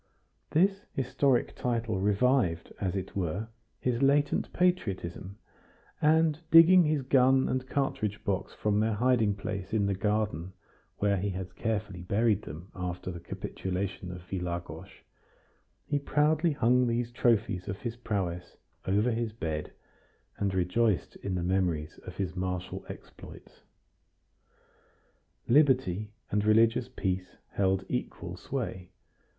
This historic title revived, as it were, his latent patriotism, and, digging his gun and cartridge box from their hiding place in the garden where he had carefully buried them after the capitulation of Vilagos, he proudly hung these trophies of his prowess over his bed, and rejoiced in the memories of his martial exploits. Liberty and religious peace held equal sway.